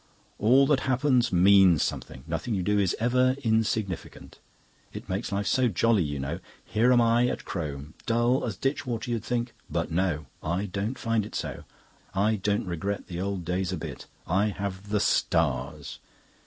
All that happens means something; nothing you do is ever insignificant. It makes life so jolly, you know. Here am I at Crome. Dull as ditchwater, you'd think; but no, I don't find it so. I don't regret the Old Days a bit. I have the Stars..."